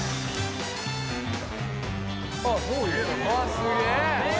すげえ！